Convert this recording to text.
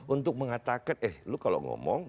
untuk mengatakan eh lu kalau ngomong